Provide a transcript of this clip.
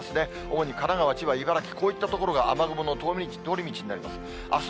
主に神奈川、千葉、茨城、こういった所が雨雲の通り道になります。